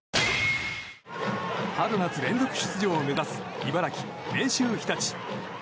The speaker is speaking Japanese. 春夏連続出場を目指す茨城・明秀日立。